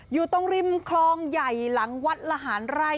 อยู่ตรงริมคลองใหญ่หลังวัดละหารไร่